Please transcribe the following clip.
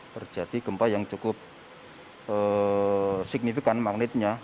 terjadi gempa yang cukup signifikan magnetnya